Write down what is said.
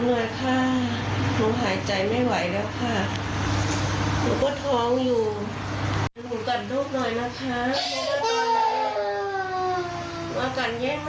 ว่ากันเย็นมากเลยค่ะ